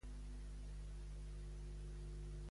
Armengol aconsegueix per fi tancar per mar i aire les Illes.